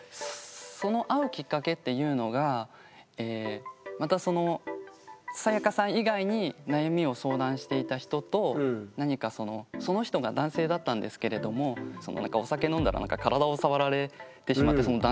その会うきっかけっていうのがまたそのサヤカさん以外に悩みを相談していた人とその人が男性だったんですけれどもお酒飲んだら体を触られてしまってその男性に。